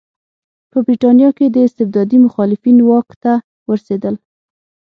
په برېټانیا کې د استبداد مخالفین واک ته ورسېدل.